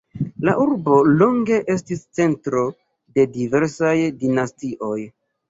La urbo longe estis centro de diversaj dinastioj.